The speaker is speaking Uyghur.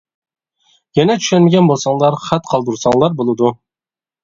يەنە چۈشەنمىگەن بولساڭلار خەت قالدۇرساڭلار بولىدۇ.